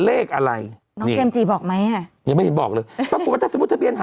เลขอะไรน้องเจมส์จีบอกไหมอ่ะยังไม่เห็นบอกเลยปรากฏว่าถ้าสมมุติทะเบียนหา